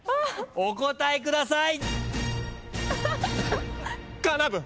お答えください。